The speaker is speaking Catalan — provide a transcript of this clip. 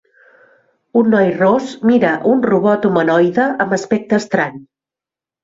Un noi ros mira un robot humanoide amb aspecte estrany.